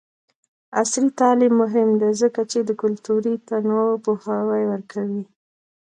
عصري تعلیم مهم دی ځکه چې د کلتوري تنوع پوهاوی ورکوي.